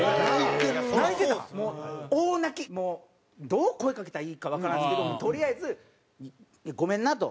どう声かけたらいいかわからないですけどとりあえず「ごめんな」と。